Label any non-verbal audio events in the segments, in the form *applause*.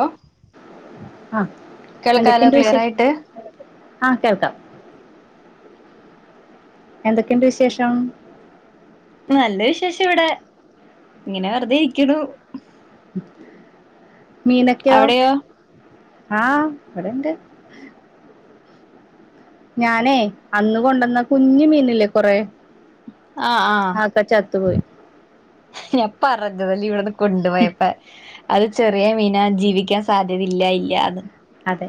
ഓ. ആ കേൾക്കാലോ എന്തൊക്കെയുണ്ട് ക്ലിയർ വിശേഷം ആയിട്ട് ആഹ കേൾക്കാം.. എന്തൊക്കെയുണ്ട് വിശേഷം? നല്ല വിശേഷം ഇവിടെ ഇങ്ങനെ വെറുതെ ഇരിക്കുണു. മീൻ നൊക്കോ അവിടെയോ ആഹ് ഇവിടെയിണ്ട്. ഞാനേ അന്ന് കൊണ്ടുവന്ന കുഞ്ഞ് മീനില്ലേ കുറേ- ആഹ ആഹ ഞാൻ പറഞ്ഞതല്ലേ ഇവിടൊന്ന് കൊണ്ടു പോയപ്പോ- അത് ചെറിയ മീന ജീവിക്കാൻ സാധ്യത ഇല്ല ഇല്ല. അതെ.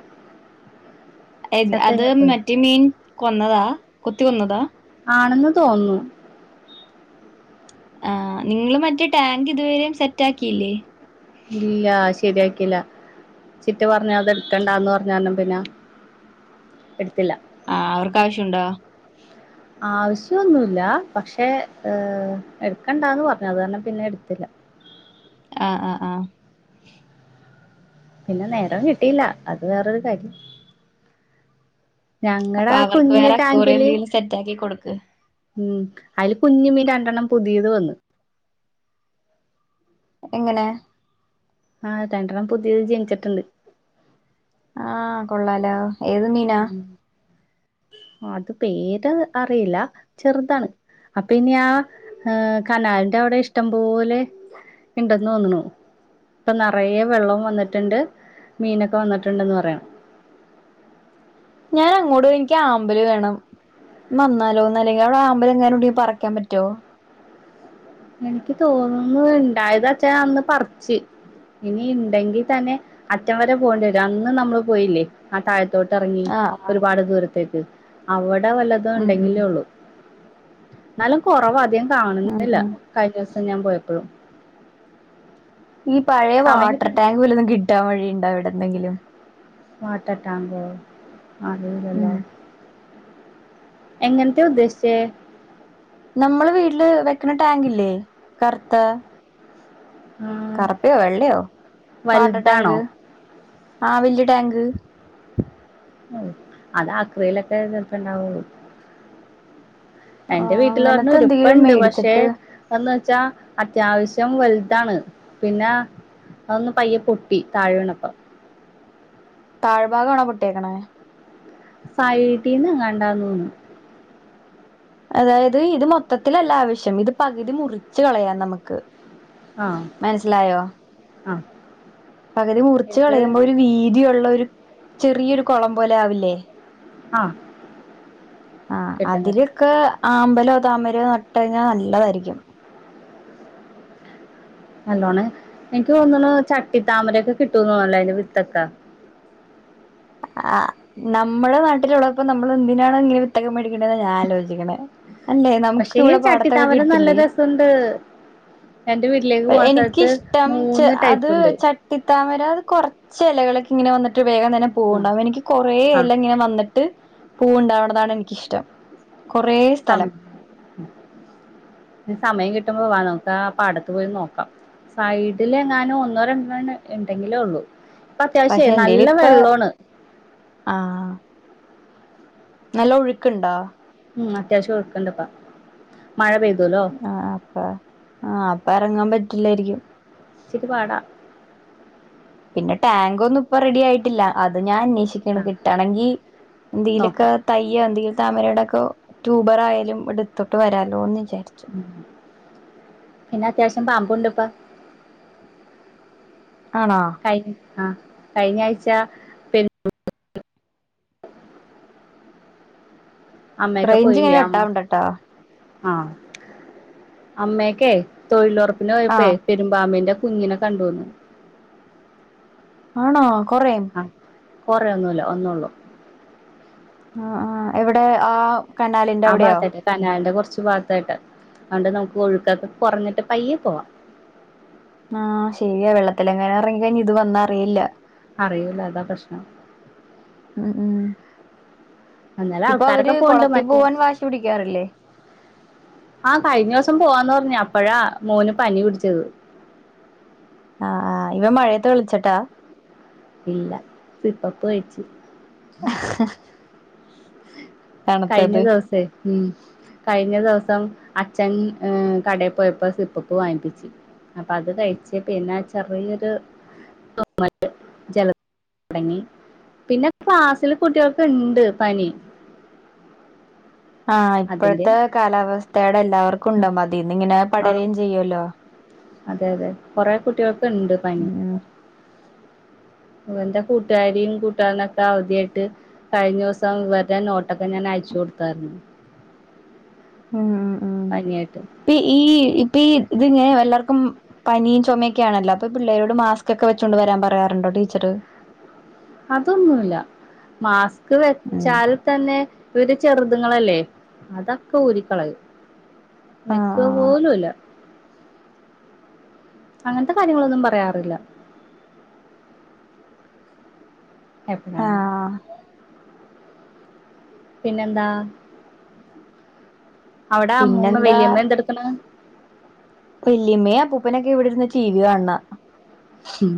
ചത്ത് അത് കഴിഞ്ഞപ്പോ മറ്റേ മീൻ കൊന്നതാ കൊത്തി കൊന്നതാ? ആണെന്ന് തോന്നുന്നു. ആ നിങ്ങൾ മറ്റേ ടാങ്ക് ഇതുവരെയും സെറ്റ് ആക്കിയില്ലേ? ഇല്ല ശരിയാക്കില്ല ചിറ്റ പറഞ്ഞ് അത് എടുക്കണ്ടാന്ന് പറഞ്ഞാ കാരണം പിന്നെ- എടുത്തില്ല. ആഹ അവർക്ക് ആവശ്യമുണ്ടോ? ആവശ്യമൊന്നുമല്ല പക്ഷേ എടുക്കണ്ടാന്ന് പറഞ്ഞു അത് കാരണം പിന്നെ എടുത്തില്ല. ആഹ ആ ആഹ.. പിന്നെ നേരം കിട്ടിയില്ല അത് വേറൊരു കാര്യം. ഞങ്ങടെ അപ്പൊ ആ അവർക്ക് വേറെ അക്കൂറി കുഞ്ഞിടാങ്കില്. എന്തെങ്കിലും സെറ്റ് ആക്കി കൊടുക്ക് ഉം അതില് കുഞ്ഞ് മീൻ രണ്ടെണ്ണം പുതിയത് വന്നു. എങ്ങനെ? ആഹ് രണ്ടെണ്ണം പുതിയത് ജനിച്ചിട്ടുണ്ട്. ആഹ് കൊള്ളാലോ. ഏത് മീനാ? ഉം അത് പേര് അറിയില്ല ചെറുതാണ്. അപ്പോ ഇനി ആഹ് കനാലിന്റെ അവിടെ ഇഷ്ടം പോലെ. ഇണ്ടെന്ന് തോന്നുന്നു. ഇപ്പോ നറയെ വെള്ളവും വന്നിട്ടുണ്ട് മീനൊക്കെ വന്നിട്ടുണ്ടന്ന് പറയണു. ഞാൻ അങ്ങോട്ട് പോവാ എനിക്ക് ആമ്പല് വേണം. വന്നാലോ എന്ന് ആലോയ്ക്കാ അവിടെ ആമ്പല് എങ്ങാനുണ്ടേൽ പറക്കാൻ പറ്റോ? എനിക്ക് തോന്നുന്നു ഇണ്ടായത് അച്ചായി അന്ന് പറച്ച്. ഇനി ഇണ്ടെങ്കി തന്നെ അറ്റം വരെ പോണ്ടി വരും അന്നും നമ്മള് പോയില്ലേ ആ താഴെ- ഴത്തോട്ട് ഇറങ്ങി ആഹ് ആഹ് ഒരുപാട് ദൂരത്തേക്ക് അവിടെ വല്ലതും ഉം ഉം ഉണ്ടെങ്കിലേ ഉളളൂ. എന്നാലും കൊറവാ അധികം ഉം കാണുന്നില്ല ഉം കഴിഞ്ഞൂവസം ഞാൻ പോയപ്പഴും. ഈ പഴേ സമയം വാട്ടർ കിട്ടി ടാങ്ക് വല്ലതും കിട്ടാൻ വഴി ഉണ്ടോ എവടെന്നെങ്കിലും- വാട്ടർ ടാങ്കോ അറിയില്ലല്ലോ. ഉം എങ്ങൻത്തെ ഉദ്ദേശിച്ചേ നമ്മള് വീട്ടില് വെക്കണേ ടാങ്കില്ലേ കറുത്ത ആ, കറുപ്പയോ വെള്ളയോ വാട്ടർ ടാങ്ക് വലുതാണോ ആഹ് വല്ല്യ ടാങ്ക്- ഓഹ് അത് ആക്രീലൊക്കെ ചെൽപ്പോ ഇണ്ടാവോള്ളൂ. ആ എന്റെ വീട്ടിൽ ഒരെണ്ണം അങ്ങനത്തെ എന്തെങ്കിലും ഇരിപ്പുണ്ട് പക്ഷേ മേടിച്ചിട്ട് എന്നുവച്ചാ അത്യാവശ്യം വൽതാണ് പിന്നെ അതൊന്ന് പയ്യെ പൊട്ടി താഴെ വീണപ്പോ താഴ്ഭാഗാണോ പൊട്ട്യേക്കണേ? സൈഡീന്ന് എങ്ങാണ്ടാന്ന് തോന്നുന്നു. അതായത് ഇത് മൊത്തത്തില്ല ആവശ്യം ഇത് പകുതി മുറിച്ച് കളയാം നമുക്ക്- ആഹ് മനസ്സിലായോ ആഹ് പകുതി മുറച്ച് കളയുമ്പോ ഒരു വീതിയുള്ള ഒരു ചെറിയൊരു കുളം പോലെ ആവില്ലേ ആ ആഹ് കിട്ടും കിട്ടും അതിലൊക്കെ ആഹ് അതിലൊക്കെ അമ്പലോ താമരയോ നട്ടഴിഞ്ഞാ നല്ലതായിരിക്കും നല്ലോണേ എനിക്ക് തോന്ന ചട്ടി താമരയൊക്കെ കിട്ടൂ തോന്നല്ലോ അതിന്റെ വിത്തക്കെ ആ നമ്മുടെ നാട്ടിലുള്ളപ്പോ നമ്മൾ എന്തിനാണ ഇ വിത്തകേ മേടിക്കേണ്ടെന്ന ഞാൻ ആലോചിക്കണേ അല്ലേ നമുക്ക് ഇവിടെ പാടത്തൊക്കെ കിട്ടില്ലേ ണ്ട് എന്റെ വീട്ടിലേക്ക് പോകണ സ്ഥലത്ത് മൂന്ന് ടൈപ്പുണ്ട് തിത്താമര അത് കുറച്ച് ഏലകളൊക്കെ ഇങ്ങനെ വന്നിട്ട് വേഗം തന്നെ ആ പൂവിണ്ടാവും എനിക്ക് കുറേ ആ എല ഇങ്ങനെ വന്നി ട്ട് പൂ ഇണ്ടാവുന്നതാണ് എനിക്കിഷ്ടം കൊറേ സ്ഥലം സമയം കിട്ടുമ്പോ വ നമുക്ക് ആ പാടത്ത് പോയി നോക്കാം സൈഡില് എങ്ങാനോ ഒന്നോ രണ്ടോ ഉണ്ടെങ്കിലേ ഉള്ളു ഇപ്പൊ അത്യാവശ്യേ പക്ഷെ എന്റെൽ നല്ല ഇപ്പ വെള്ളോണ് ആഹ് നല്ല ഒഴുക്ക്ണ്ടാ ഉം അത്യാവശ്യം ഒഴ്ക്കിണ്ടിപ്പാ മഴ പെയ്തുല്ലോ ആഹ് അപ്പ ആഹ് അപ്പ എറങ്ങാൻ പറ്റില്ലായിരിക്കും ച്ചിരി പാട പിന്നെ ടാങ്ക് ഒന്നും ഇപ്പൊ റെഡി ആയിട്ടില്ല അത് ഞാൻ അന്വേഷിക്കണ ആ കിട്ടുകയാണെങ്കിൽ എന്തലൊക്കെ- നോക്കാം തയ്യോ എന്തെങ്കിലും താമരേടൊക്കെ ട്യൂബർ ആയാലും എടുത്തോട്ട് വരാലൊ എന്ന് വിചാരിച്ചു ഉ പിന്നെ അത്യാവശ്യം പാമ്പുണ്ട്പ്പ- ആണോ കയ് ആ കയ്ഞ്ഞ ആയ്ച അമ്മക്കെ റേഞ്ച് ഇങ്ങനെ പോയില്ലേ അമ്മ കട്ടാവണ്ടട്ടാ ആഹ് അമ്മയക്കെ തൊഴിലുറപ്പിന് പോയപ്പോ ആഹ് പെരുമ്പാമ്പിന്റെ കുഞ്ഞിനെ കണ്ടുന്നു ആണോ കോറെം ആ കൊറേ ഒന്നൂല്ല ഒന്ന്ള്ളൂ ആ ആ എവിടെ ആ- കനാലിന്റെ ആ അവിടെയോ ഭാത്തായിട്ടെ കനാൽന്റെ കോറച്ച് ഭാഗാത്തായിട്ട് അതുകൊണ്ട് നമുക്ക് ഒഴുക്കൊക്കെ കോറഞ്ഞിട്ട് പയ്യെ പോവാ ആഹ് ശേരിയാ വെള്ളത്തിലെങ്ങനെ ഏറങ്ങി കഴിഞ്ഞ ഇത് വന്ന അറിയില്ല അറിയുല അതാ പ്രശ്നം ഉം ഉ എന്നാലും ഇപ്പൊ ആൾക്കാരൊക്കെ അവര് പോണ്ട് കോളത്തിൽ മറ്റേ പോവാൻ വാശി പിടിക്കാറില്ലേ? ആ കയിഞ്ഞ ദേവസം പോവാന്ന് പറഞ്ഞ അപ്പഴാ മോന് പനി പിടിച്ചത് ആഹ് ആ ഇവ മഴയത്ത് വിളിച്ചിട്ടാ ഇല്ല സിപ്പപ് കയിച്ച് കയ്ഞ്ഞ തണുത്തത് ദേവസയ് ഉം കയ്ഞ്ഞ ദേവസം അച്ഛൻ കടയിൽ പോയപ്പോ സിപ്പപ്പ് വാങ്ങിപ്പിച്ച് അപ്പ അത് കഴിച് പിന്നെ ചെറിയൊരു ജല തോടങ്ങി പിന്നെ ക്ലാസ്സില് കുട്ടിൃൾക്ക് ഉണ്ട് പനി ആഹ് അതിന്റെ ഇപ്പോഴത്തെ കാലാവസ്ഥോയുടെ എല്ലാവർക്കും ഉണ്ടോ അതിന്ന് ഇങ്ങനെ ആഹ് പടരുകയും ചെയ്യുവല്ലോ അതെ അതെ കൊറെ കുട്ടികൾക്ക് ഉണ്ട് പനി ഉം ഇവന്റെ കൂട്ടുകാരിയും കൂട്ടുകാരനൊക്കെ അവധിയായിട്ട് കയ്ഞ്ഞ ദേവസം ഇവരെ നോട്ടൊക്കെ ഞാൻ അയച്ചു കൊടുത്തായിരുന്നു ഉം ഉം ഉം പനിയായിട്ട് ഇപ്പ ഈ ഇപ്പഈ ഇത് ങ്ങനെ എല്ലാർക്കും പനിയും ചോമയൊക്കാണല്ലോ അപ്പൊ പിള്ളേരോട് മാസ്ക് ഒക്കെ വെച്ചുകൊണ്ട് വരാൻ പറയാറുണ്ടോ ടീച്ചറ് അതൊന്നുല്ല മാസ്ക് ഉം വെച്ചാൽ തന്നെ ര് ചെറുതുങ്ങളല്ലേ അതൊക്കെ ഊരി കളയും ആഹ് വെക്കുവ ആഹ് പോലുംല്ല അങ്ങൻത്തെ കാര്യങ്ങളൊന്നും പറയാറില്ല. എപ്പഴാണന്ന്. ആഹ് പിന്നെന്താ? അവടെ അമ്മൂമ്മ പിന്നെന്താ വല്ല്യമ്മ എന്തെട്ക്ക്‌ണ്? വല്ല്യമ്മയും അപ്പൂപ്പനൊക്കെ ഇവിടെരുന്ന് ടി വി കാണ്ണ്. ഉം.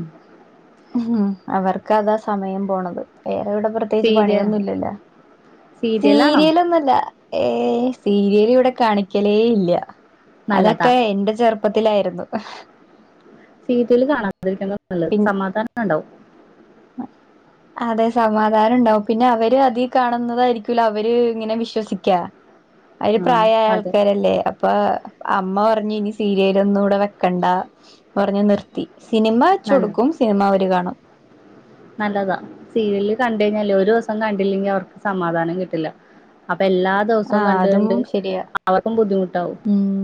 ഉം അവർക്ക് അതാ സമയം പോണത്. വേറെവിടെ പ പ്രത്യേകിച്ച് സീരിയ പണിയൊന്നുംല്ലല്ലോ. സീരിയലാണോ സീരിലൊന്നൊല്ല. ഏ സീരേലിവിടെ കാണിക്കലേ ഇല്ല. നല്ലതാ അതൊക്കെ എന്റെ ചെറു പ്പത്തിലായിരുന്നു. സീരേല് കാണാതിരിക്കുന്നത നല്ലത്. സമാധാനം ഇണ്ടാവും. ആ. അതെ സമാധാനം ഇണ്ടാവും. പിന്നെ അവര് അതി കാണുന്നതായിരിക്കുലോ അവര് ഇങ്ങനെ വിശ്വസിക്കാ. അവര് ആ പ്രായായ അതെ ആൾക്കാരല്ലേ? ഇപ്പ അമ്മ പറഞ്ഞ് ഇനി സീരേലൊന്നും ഇവ്ടെ വെക്കണ്ട പറഞ്ഞ് നിർത്തി. സിനിമ നല്ലത് ച്ചൊടുക്കും സിനിമ അവര് കാണും. നല്ലതാ. സീരിയല് കണ്ട് കഴിഞ്ഞാലേ ഒരു ദിവസം കണ്ടില്ലെങ്കി അവർക്ക് സമാധാനം കിട്ടില്ല. അപ്പൊ എല്ലാ ആ ദിവസവും അതും കണ്ട്കണ്ട് ശരിയാ അവർക്കും ബുദ്ധിമുട്ടാവും. ഉം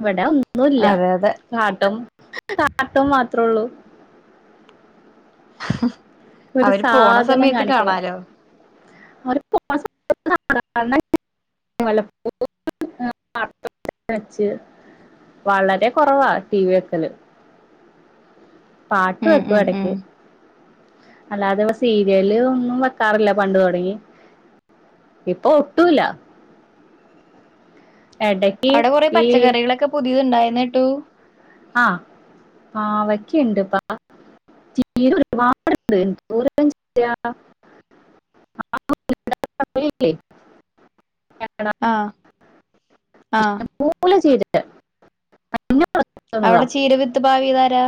ഇവടെ ഒന്നും ഇല്ല. അതെ അതെ കാട്ടം കാട്ടം മാത്രേ ഉള്ളൂ. ഒരു അവര് പോണ സാധനം സമയത്ത് കാണിക്കില്ല കാണാലോ. അവര് പോണ സമയത്ത് *unintelligible* *unintelligible* വളരെ കുറവാ ടി വി വെക്കല്. പാട്ട് ഉം വെക്കും ഉം ഉം എടക്ക്. അല്ലാതെ ഇവിടെ സീരിയല് ഒന്നും വെക്കാറില്ല പണ്ട് തുടങ്ങി. ഇപ്പൊ ഒട്ടും ഇല്ല. ഇടക്ക് അവിടെ കുറെ ഈ പച്ചക്കറികളൊക്കെ പുതിയത് ഉണ്ടായീന്ന് കേട്ടു. ആഹ് പാവക്കയുണ്ട് *unintelligible* ചീര ഒരുപാടുണ്ട് എന്തോരെല്ലാം ചീരയാ. *unintelligible* ആഹ് *unintelligible* ആഹ് ഇഷ്ടം പോലെ ചീരയുണ്ട്. *unintelligible* അവിടെ ചീര വിത്ത് പാവിയതാരാ?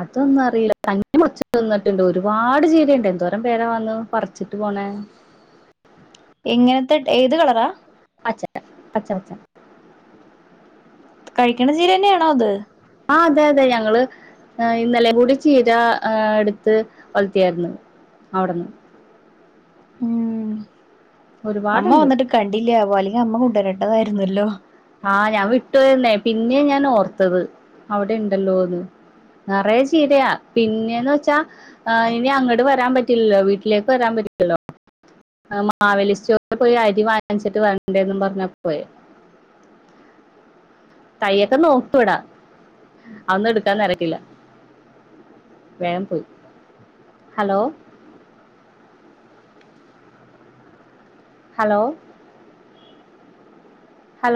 അതൊന്നും അറിയില്ല. തന്നേ മൊളച്ച് നിന്നിട്ടുണ്ട്. ഒരുപാട് ചീരയുണ്ട്. എന്തോരം പേരാ വന്ന് പറിച്ചിട്ട് പോണേ. എങ്ങനത്തെ ഏത് കളറാ? *unintelligible* പച്ച പച്ച. കഴിക്കണ ചീര തന്നയാണോ അത്? ആഹ് അതെ അതെ ഞങ്ങള് ഏഹ് ഇന്നലെ കൂടി ചീര ആഹ് എടുത്ത് വഴറ്റിയാരുന്നു. അവിടുന്ന് ഉം, അമ്മ ഒരുപാടുണ്ട് വന്നിട്ട് കണ്ടില്ലാവോ അല്ലെങ്കി അമ്മ കൊണ്ടുവരണ്ടതായിരുന്നല്ലോ. ആഹ് ഞാൻ വിട്ടുപോയെന്നേ പിന്നെ ഞാൻ ഓർത്തത് അവിടെ ഉണ്ടല്ലോന്ന്. നറയെ ചീരയാ. പിന്നെന്ന് വെച്ചാ ആഹ് ഇനി അങ്ങട് വരാൻ പറ്റില്ലല്ലോ വീട്ടിലേക്ക് വരാൻ പറ്റില്ലല്ലോ? ആഹ് മാവേലിസ്റ്റോറിൽ പോയി അരി വാങ്ങിച്ചിട്ട് വരണ്ടേന്നും പറഞ്ഞ പോയേ. തൈയ്യൊക്കെ നോക്കും ഇവിടെ, അതൊന്നും എടുക്കാൻ നേരം കിട്ടിയില്ല. വേഗം പോയി. Hello, hello, hello